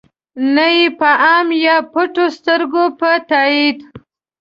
نه ېې په عام یا پټو سترګو په تایید.